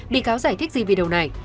bị cáo giải thích gì video này